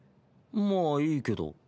まあいいけど。